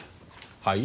はい？